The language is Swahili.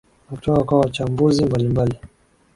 ni kutoka kwa wachambuzi mbalimbali